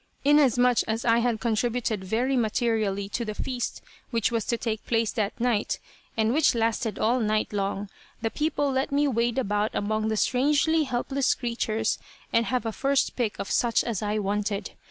Inasmuch as I had contributed very materially to the feast which was to take place that night, and which lasted all night long, the people let me wade about among the strangely helpless creatures and have a first pick of such as I wanted.